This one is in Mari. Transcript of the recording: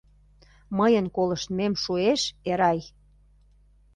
Мыйын колыштмем шуэш, Эрай?